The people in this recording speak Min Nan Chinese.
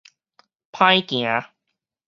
難行